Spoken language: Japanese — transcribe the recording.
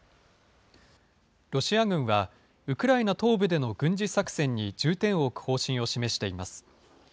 ロシア軍は、ウクライナ東部での軍事作戦に重点を置く方針を示しています。